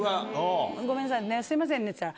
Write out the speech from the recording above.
ごめんなさいねすいませんねって言ったら。